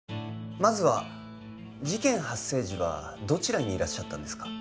まずは事件発生時はどちらにいらっしゃったんですか